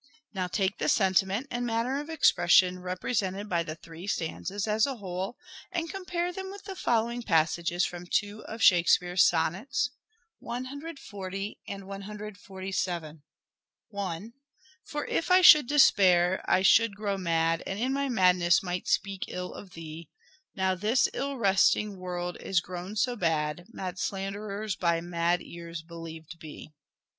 Now take the sentiment and manner of expression represented by the three stanzas as a whole and compare them with the following passages from two of Shakespeare's sonnets (140 and 147) I 1. " For if I should despair I should grow mad, And in my madness might speak ill of thee, Now this ill wresting world is grown so bad Mad slanderers by mad ears believed be."